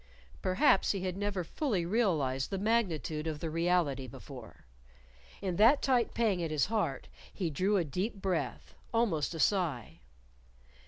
Perhaps he had never fully realized the magnitude of the reality before. In that tight pang at his heart he drew a deep breath, almost a sigh.